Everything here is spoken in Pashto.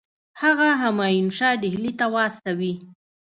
هغه همایون شاه ډهلي ته واستوي.